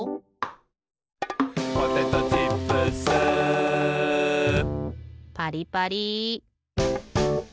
「ポテトチップス」パリパリ。